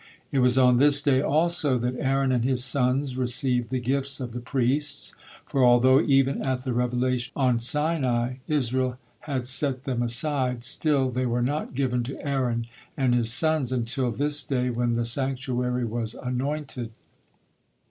It was on this day, also, that Aaron and his sons received the gifts of the priests, for although even at the revelation on Sinai Israel had set them aside, still they were not given to Aaron and his sons until this day when the sanctuary was anointed.